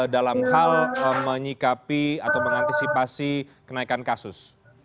dalam hal menyikapi atau mengantisipasi kenaikan kasus